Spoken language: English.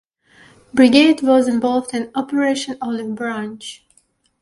Brigade was involved in Operation Olive Branch.